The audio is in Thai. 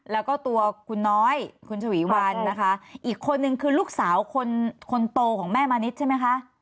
แล้วก็ตัวคุณน้อยคุณฉวีวันนะคะอีกคนนึงคือลูกสาวคนโตของแม่มณิชย์ใช่ไหมคะ